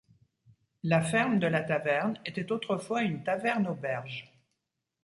La ferme de la Taverne était autrefois une taverne-auberge.